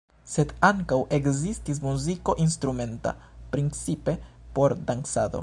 Sed ankaŭ ekzistis muziko instrumenta, principe por dancado.